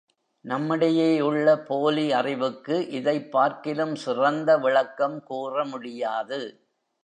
நம்மிடையேயுள்ள போலி அறிவுக்கு இதைப் பார்க்கிலும் சிறந்த விளக்கம் கூறமுடியாது.